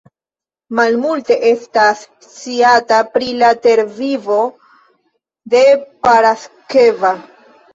Malmulte estas sciata pri la tervivo de Paraskeva.